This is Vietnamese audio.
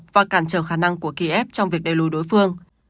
và cản trở khả năng của kiev trong việc đẩy lùi đối phương